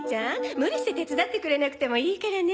無理して手伝ってくれなくてもいいからね。